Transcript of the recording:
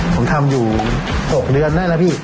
ผมทำอยู่๖เดือนน่ะนะพี่